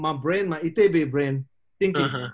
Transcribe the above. otak saya otak itb saya berpikir